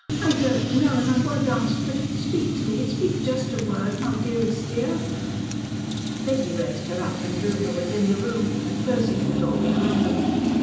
I don't know and I won't ask but speak to me speak just a word my dearest dear!" Betty raised her up and drew her within the room, closing the door behind them.